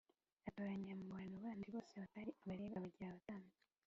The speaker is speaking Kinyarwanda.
atoranya mu bantu bandi bose batari Abalewi, abagira abatambyi